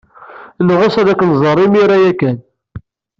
Neɣs ad k-nẓer imir-a ya kan.